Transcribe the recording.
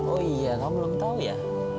oh iya kamu belum tahu ya